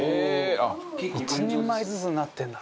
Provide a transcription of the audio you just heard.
「１人前ずつになってるんだ」